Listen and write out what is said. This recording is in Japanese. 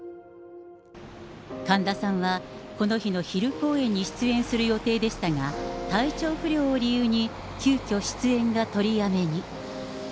神田さんは、この日の昼公演に出演する予定でしたが、体調不良を理由に急きょ出演が取りやめに。